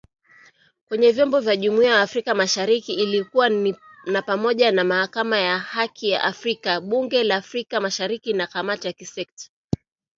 Kwenye vyombo vya Jumuiya ya Afrika Mashariki ikiwa ni pamoja na Mahakama ya Haki ya Afrika, Bunge la Afrika Mashariki na kamati za kisekta.